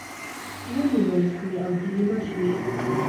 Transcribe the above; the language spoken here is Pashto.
ونیول شوې او جریمه شوې